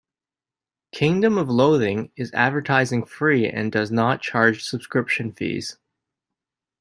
"Kingdom of Loathing" is advertising-free and does not charge subscription fees.